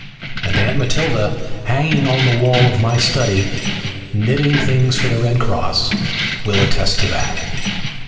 And Aunt Matilda, hanging on the wall of my study, knitting things for the Red Cross, will attest to that.